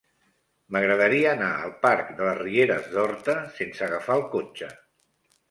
M'agradaria anar al parc de les Rieres d'Horta sense agafar el cotxe.